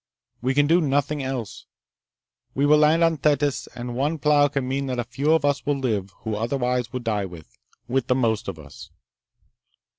We can do nothing else. We will land on Thetis. And one plow can mean that a few of us will live who otherwise would die with ... with the most of us."